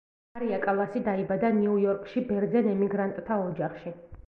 მარია კალასი დაიბადა ნიუ იორკში ბერძენ ემიგრანტთა ოჯახში.